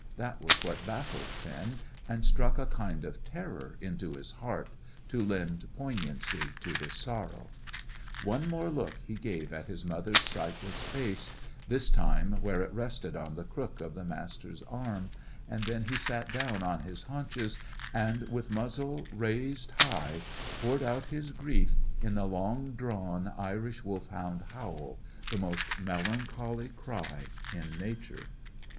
That was what baffled Finn, and struck a kind of terror into his heart, to lend poignancy to his sorrow. One more look he gave at his mother's sightless face, this time where it rested on the crook of the Master's arm, and then he sat down on his haunches, and with muzzle raised high poured out his grief in the long drawn Irish Wolfhound howl; the most melancholy cry in nature.